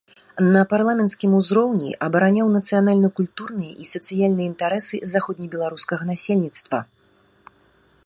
На парламенцкім узроўні абараняў нацыянальна-культурныя і сацыяльныя інтарэсы заходне-беларускага насельніцтва.